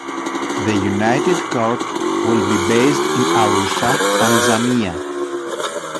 The united court will be based in Arusha, Tanzania.